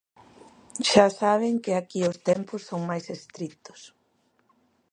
Xa saben que aquí os tempos son máis estritos.